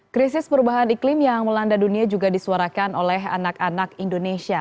krisis perubahan iklim yang melanda dunia juga disuarakan oleh anak anak indonesia